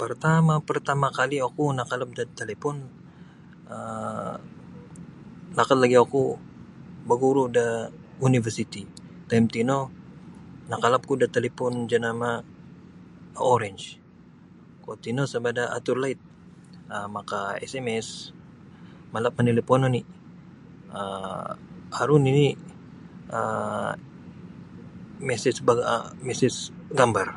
Partama-partama kali oku nakalap da talipun um lakat lagi oku baguru da Universiti taim tino nakalap ku da talipun janama Orange kuwo tino sama da atur laid um maka sms malap manalipun oni um aru nini um mesej ba- mesej gambar.